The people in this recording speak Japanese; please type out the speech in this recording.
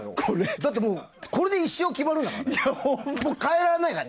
だってもうこれで一生決まるんだから。